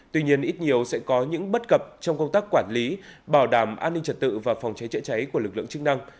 tuy nhiên ít nhiều sẽ có những bất cập trong công tác quản lý bảo đảm an ninh trật tự và phòng cháy trệnh